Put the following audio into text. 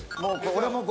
俺も５。